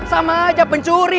sama aja pencuri